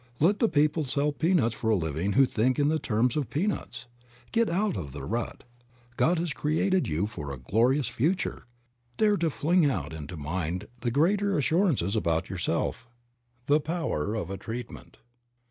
Let the people sell peanuts for a living who think in the terms of peanuts. Get out of the rut. God has created you for a glorious future ; dare to fling out into mind the greater assurances about yourself. THE POWER OF A TREATMENT.